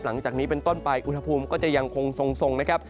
หลังจากนี้เป็นต้นไปอุณหภูมิก็จะยังคงทรงนะครับ